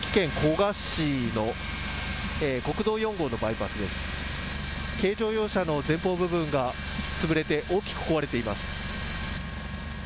軽乗用車の前方部分が潰れて大きく壊れています。